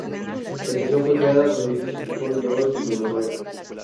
La estación fue creada con edificios que fueron llevados desde Noruega.